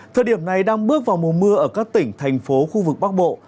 thời điểm này đang bước vào mùa mưa ở các tỉnh thành phố khu vực bắc bộ